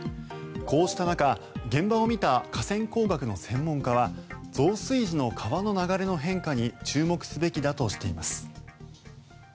こうした中現場を見た河川工学の専門家は増水時の川の流れの変化に注目すべきだとしています。